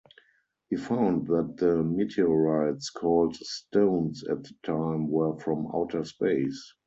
He found that the meteorites, called "stones" at the time, were from outer space.